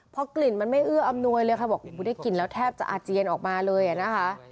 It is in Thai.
พอกลิ่นมันไม่เอื้ออำนวยเลยค่ะบอกได้กลิ่นแล้วแทบจะอาเจียนออกมาเลยนะคะ